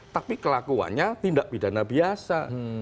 tapi kelakuannya tindak pidana biasa